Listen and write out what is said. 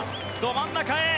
真ん中へ。